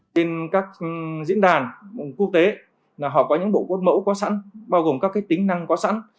trên các diễn đàn quốc tế là họ có những bộ cốt mẫu có sẵn bao gồm các tính năng có sẵn